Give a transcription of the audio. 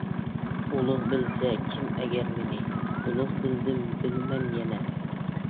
ئۇلۇغ بىلسە كىم ئەگەر مېنى، ئۇلۇغ بىلدىم بىلىمەن يەنە.